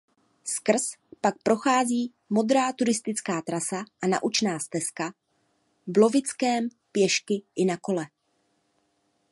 Skrz pak prochází modrá turistická trasa a naučná stezka ""Blovickem pěšky i na kole"".